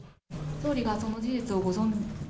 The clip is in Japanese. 総理がその事実をご存じ？